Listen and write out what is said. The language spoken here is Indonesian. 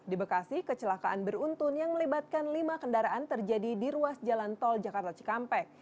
di bekasi kecelakaan beruntun yang melibatkan lima kendaraan terjadi di ruas jalan tol jakarta cikampek